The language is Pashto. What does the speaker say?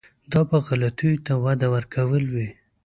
دا به غلطیو ته وده ورکول وي.